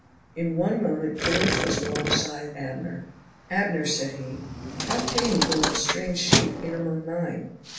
In one moment George was alongside Abner. "Abner," said he, "how came you to let strange sheep in among mine?"